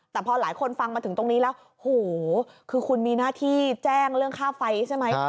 แต่พอหลายคนฟังมาถึงตรงนี้แล้วโหคือคุณมีหน้าที่แจ้งเรื่องค่าไฟใช่ไหม